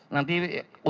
nanti untuk apa itu